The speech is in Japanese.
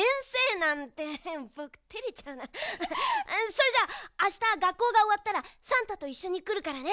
それじゃああしたがっこうがおわったらさんたといっしょにくるからね。